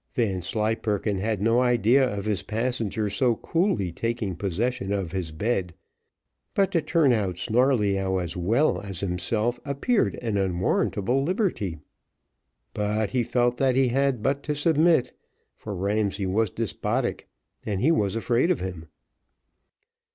Vanslyperken had no idea of his passenger so coolly taking possession of his bed, but to turn out Snarleyyow as well as himself, appeared an unwarrantable liberty. But he felt that he had but to submit, for Ramsay was despotic, and he was afraid of him.